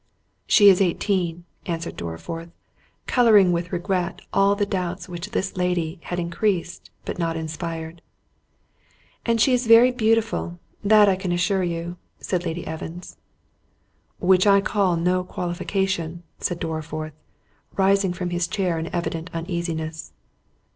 "She is eighteen," answered Dorriforth, colouring with regret at the doubts which this lady had increased, but not inspired. "And she is very beautiful, that I can assure you," said Lady Evans. "Which I call no qualification," said Dorriforth, rising from his chair in evident uneasiness.